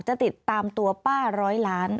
จะติดตามตัวป้าร้อยล้าน